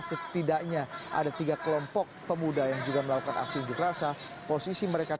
setidaknya ada tiga kelompok yang berpengalaman